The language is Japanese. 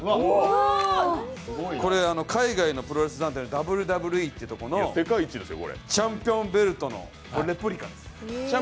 これは海外のプロレス団体のＷＷＥというところのチャンピオンベルトのレプリカです。